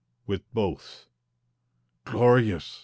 "With both." "Glorious!"